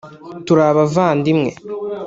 turi abavandimwe